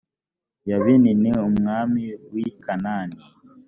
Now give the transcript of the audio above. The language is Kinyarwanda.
yabini umwami w’i kanani